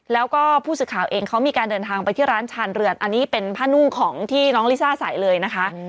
แล้วก็ผู้สื่อข่าวเองเขามีการเดินทางไปที่ร้านชาญเรือนอันนี้เป็นผ้านุ่งของที่น้องลิซ่าใส่เลยนะคะ